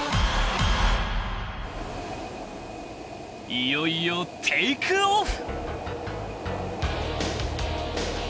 ［いよいよテークオフ］